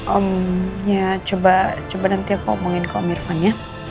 om ya coba nanti aku omongin ke om irfan ya